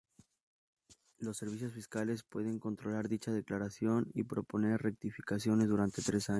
Los servicios fiscales pueden controlar dicha declaración y proponer rectificaciones durante tres años.